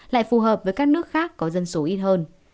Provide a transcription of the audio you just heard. lại phù hợp với các nước khác có dân số ít hơn